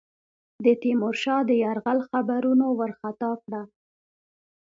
د تیمورشاه د یرغل خبرونو وارخطا کړه.